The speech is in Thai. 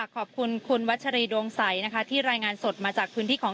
ขอบคุณคุณวัชรีดวงใสนะคะที่รายงานสดมาจากพื้นที่ของ